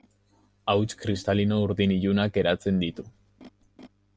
Hauts kristalino urdin ilunak eratzen ditu.